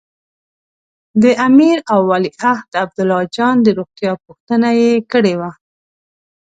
د امیر او ولیعهد عبدالله جان د روغتیا پوښتنه یې کړې وه.